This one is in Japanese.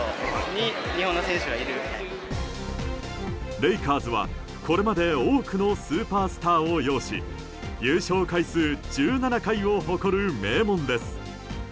レイカーズはこれまで多くのスーパースターを擁し優勝回数１７回を誇る名門です。